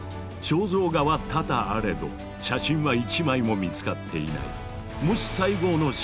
肖像画は多々あれど写真は一枚も見つかっていない。